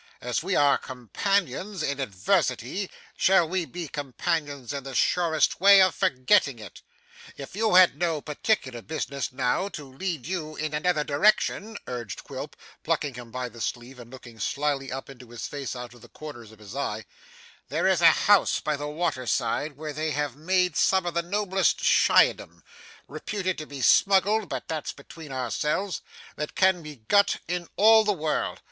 As we are companions in adversity, shall we be companions in the surest way of forgetting it? If you had no particular business, now, to lead you in another direction,' urged Quilp, plucking him by the sleeve and looking slyly up into his face out of the corners of his eyes, 'there is a house by the water side where they have some of the noblest Schiedam reputed to be smuggled, but that's between ourselves that can be got in all the world.